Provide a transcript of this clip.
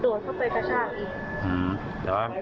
ทีนี้มันบอกเร็วเร็วถ้าไม่หยิบจะยิงก็เลยเดินไปหยิบให้เขาเส้นหนึ่งที่